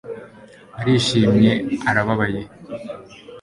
Arishimye arababaye